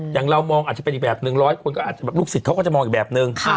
อย่างเรามองอาจจะเป็นอีกแบบหนึ่งร้อยลูกศิษย์เขาก็จะมองอีกแบบหนึ่ง